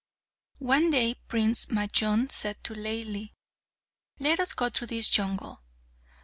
One day Prince Majnun said to Laili, "Let us go through this jungle."